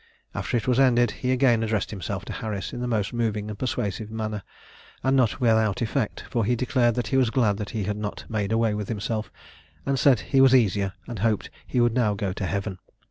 After it was ended, he again addressed himself to Harris in the most moving and persuasive manner, and not without effect; for he declared that he was glad that he had not made away with himself, and said he was easier, and hoped he should now go to Heaven.